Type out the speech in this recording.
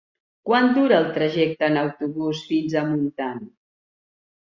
Quant dura el trajecte en autobús fins a Montant?